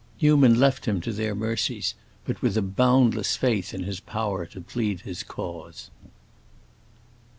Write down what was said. Newman left him to their mercies, but with a boundless faith in his power to plead his cause.